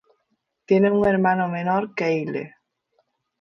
Tiene un hermano menor, Kyle.